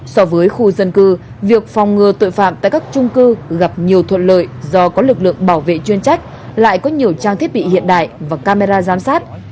so với khu dân cư việc phòng ngừa tội phạm tại các trung cư gặp nhiều thuận lợi do có lực lượng bảo vệ chuyên trách lại có nhiều trang thiết bị hiện đại và camera giám sát